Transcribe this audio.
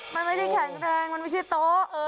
มันไม่ได้แข็งแรงมันไม่ใช่โต๊ะ